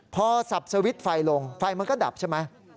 พอสับสวิตช์ไฟลงไฟมันก็ดับใช่ไหม